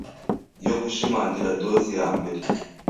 yo gushimangira doze ya mbere.